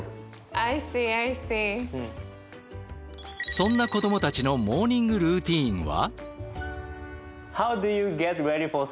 そんな子どもたちのモーニングルーティーンは？